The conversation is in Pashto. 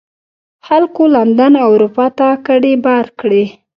خلکو لندن او اروپا ته کډې بار کړې.